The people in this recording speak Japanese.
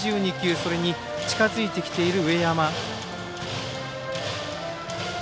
それに近づいてきている上山。